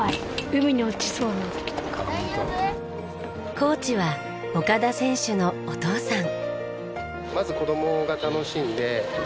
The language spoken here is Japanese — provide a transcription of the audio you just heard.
コーチは岡田選手のお父さん。